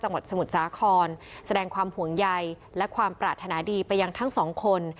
สมุทรสาครแสดงความห่วงใยและความปรารถนาดีไปยังทั้งสองคน